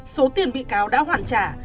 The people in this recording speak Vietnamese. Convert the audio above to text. số tiền bị cáo đã hoàn trả